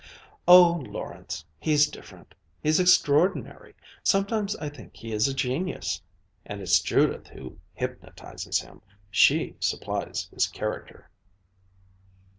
"Oh, Lawrence he's different! He's extraordinary! Sometimes I think he is a genius. And it's Judith who hypnotizes him. She supplies his character."